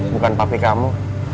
bukan papi kamu